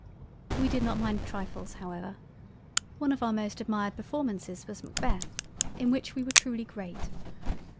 We did not mind trifles however—. One of our most admired Performances was Macbeth, in which we were truly great.